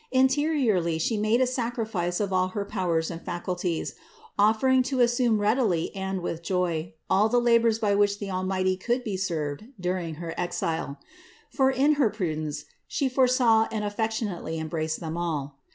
Interiorly She made a sacrifice of all her powers and faculties, offering to assume readily and with joy all the labors by which the Almighty could be served during her exile ; for in her prudence She foresaw and affectionately embraced them all.